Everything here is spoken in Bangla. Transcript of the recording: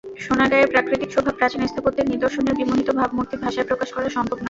সোনারগাঁয়ের প্রাকৃতিক শোভা, প্রাচীন স্থাপত্যের নিদর্শনের বিমোহিত ভাবমূর্তি ভাষায় প্রকাশ করা সম্ভব নয়।